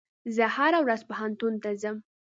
زه هره ورځ پوهنتون ته ځم.